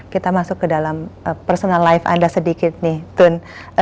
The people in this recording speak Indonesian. kita masuk ke dalam personal life anda sedikit nih tun